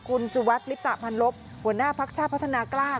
คุณสุวัสดิลิปตะพันลบหัวหน้าพักชาติพัฒนากล้า